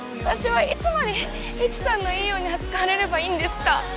私はいつまでイチさんのいいように扱われればいいんですか！